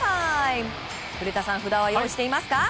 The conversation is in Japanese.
古田さん、札は用意してますか。